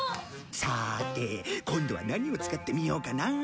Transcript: さーて今度は何を使ってみようかな。